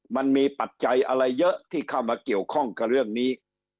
ปัจจัยอะไรเยอะที่เข้ามาเกี่ยวข้องกับเรื่องนี้